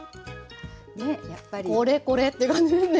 これこれって感じですね。